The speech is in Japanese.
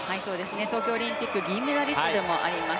東京オリンピック銀メダリストでもあります